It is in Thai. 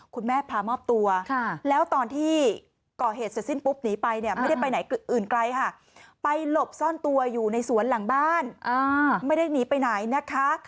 พามอบตัวแล้วตอนที่ก่อเหตุเสร็จสิ้นปุ๊บหนีไปเนี่ยไม่ได้ไปไหนอื่นไกลค่ะไปหลบซ่อนตัวอยู่ในสวนหลังบ้านไม่ได้หนีไปไหนนะคะ